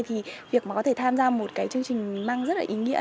thì việc mà có thể tham gia một cái chương trình mang rất là ý nghĩa